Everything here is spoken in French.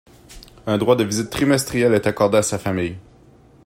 Un droit de visite trimestriel est accordé à sa famille.